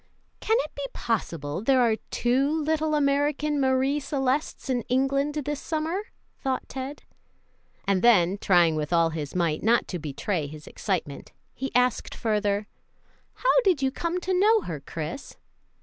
"Can it be possible there are two little American Marie Celestes in England this summer?" thought Ted; and then, trying with all his might not to betray his excitement, he asked further, "How did you come to know her, Chris?"